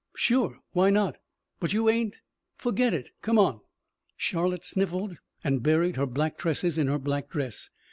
"Sure. Why not?" "But you ain't ?" "Forget it. Come on." Charlotte sniffled and buried her black tresses in her black dress.